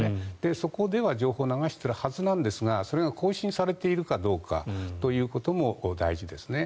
そこでは情報を流しているはずなんですがそれが更新されているかどうかということも大事ですね。